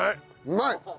うまい！